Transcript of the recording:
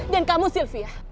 dan kamu sylvia